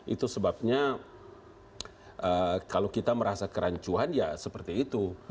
itu sebabnya kalau kita merasa kerancuan ya seperti itu